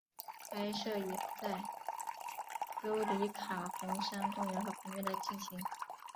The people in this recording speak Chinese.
拍摄也在尤里卡红杉公园和旁边的进行。